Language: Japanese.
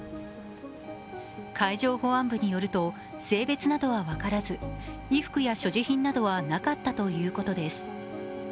海上保安部によると、性別などは分からず衣服や所持品などはなかったということです。